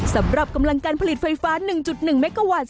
สำหรับกำลังการผลิตไฟฟ้า๑๑เมกาวัตต์